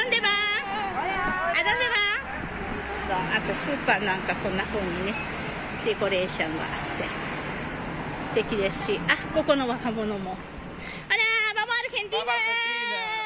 スーパーなんか、こんなふうにデコレーションがあってすてきですしここの若者も。